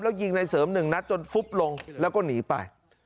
แล้วยิงในเสริมหนึ่งนัดจนฟุบลงแล้วก็หนีไป